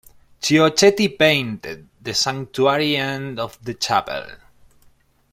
Chiocchetti painted the sanctuary end of the chapel.